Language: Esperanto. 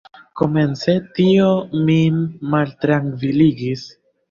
Komence tio min maltrankviligis.